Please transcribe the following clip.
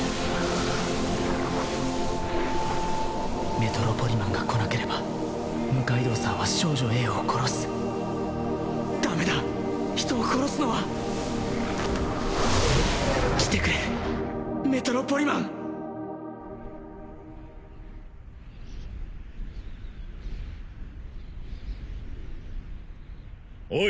メトロポリマンが来なければ六階堂さんは少女Ａを殺すダメだ人を殺すのは来てくれメトロポリマンおい